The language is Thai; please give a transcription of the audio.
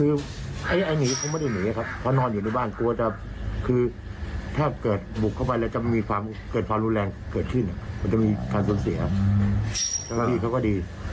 เอาล่ะรอจนานที่สุด